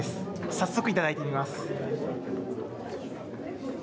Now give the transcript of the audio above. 早速いただいてみます。